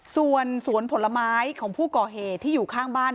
ส่วนสวนผลไม้ของผู้ก่อเหตุที่อยู่ข้างบ้าน